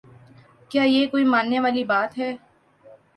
کیا یہ کوئی ماننے والی بات ہے؟